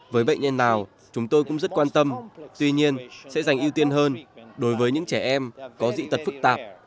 với bệnh nhân nào chúng tôi cũng rất quan tâm tuy nhiên sẽ dành ưu tiên hơn đối với những trẻ em có dị tật phức tạp